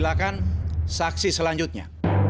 silahkan saksi selanjutnya